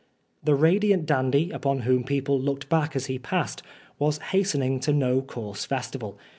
The radiant dandy, upon whom people looked back as he passed, was hastening to no coarse festival.